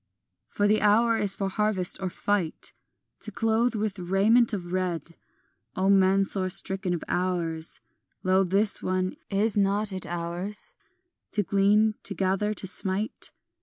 For the hour is for harvest or fight To clothe with raiment of red; O men sore stricken of hours, Lo, this one, is not it ours To glean, to gather, to smite?